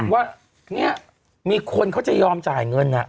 ว่าเนี่ยมีคนเขาจะยอมจ่ายเงิน